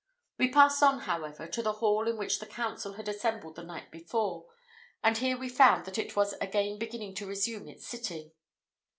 We passed on, however, to the hall in which the council had assembled the night before, and here we found that it was again beginning to resume its sitting.